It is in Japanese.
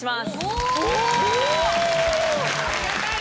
ありがたい！